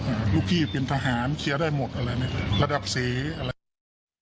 อ่าลูกพี่เป็นทหารเคลียร์ได้หมดอะไรนี้ระดับเศรษฐ์อะไรอย่างนี้